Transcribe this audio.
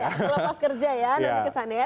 kalau pas kerja ya nanti ke sana ya